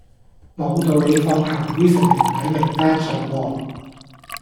無道理放行會成員喺名單上喎